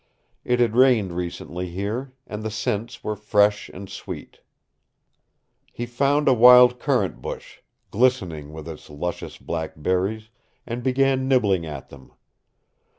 It had rained recently here, and the scents were fresh and sweet. He found a wild currant bush, glistening with its luscious black berries, and began nibbling at them.